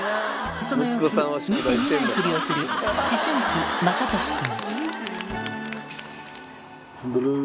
その様子を見て見ないふりをする、思春期、雅功君。